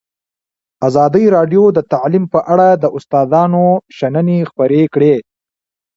ازادي راډیو د تعلیم په اړه د استادانو شننې خپرې کړي.